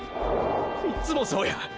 いっつもそうや！！